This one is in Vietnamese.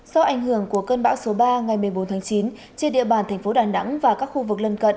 do ảnh hưởng của cơn bão số ba ngày một mươi bốn tháng chín trên địa bàn thành phố đà nẵng và các khu vực lân cận